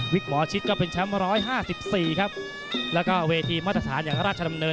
หมอชิดก็เป็นแชมป์๑๕๔ครับแล้วก็เวทีมาตรฐานอย่างราชดำเนิน